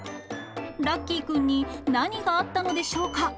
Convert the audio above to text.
ラッキーくんに何があったのでしょうか。